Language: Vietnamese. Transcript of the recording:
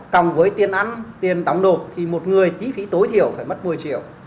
còn với tiền ăn tiền đóng nộp thì một người tí phí tối thiểu phải mất một mươi triệu